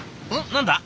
何だ？